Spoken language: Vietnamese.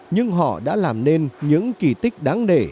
nhưng họ đã làm nên những kỳ tích đáng nể